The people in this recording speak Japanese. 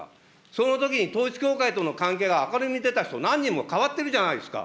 そのときに統一教会との関係が明るみに出た人、何人も代わってるじゃないですか。